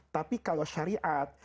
tapi kalau syariat